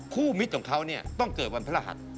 คู่มิตรของเขาต้องเกิดวันพระหัทธิ์